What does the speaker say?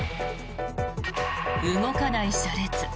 動かない車列。